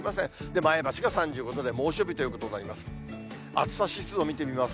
前橋が３５度で猛暑日ということになります。